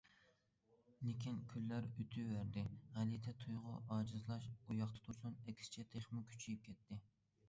لېكىن، كۈنلەر ئۆتۈۋەردى، غەلىتە تۇيغۇ ئاجىزلاش ئۇياقتا تۇرسۇن، ئەكسىچە تېخىمۇ كۈچىيىپ كەتتى.